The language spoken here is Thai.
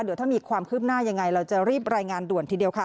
เดี๋ยวถ้ามีความคืบหน้ายังไงเราจะรีบรายงานด่วนทีเดียวค่ะ